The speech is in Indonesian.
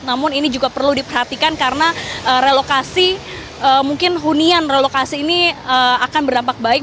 namun ini juga perlu diperhatikan karena relokasi mungkin hunian relokasi ini akan berdampak baik